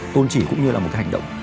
tôn trì cũng như là một cái hành động